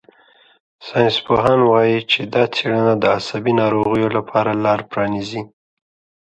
ساینسپوهان وايي چې دا څېړنه د عصبي ناروغیو لپاره لار پرانیزي.